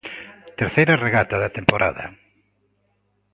Terceira regata da temporada.